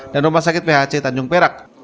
dan rumah sakit phc tanjung perak